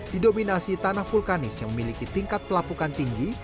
didominasi tanah vulkanis yang memiliki tingkat pelapukan tinggi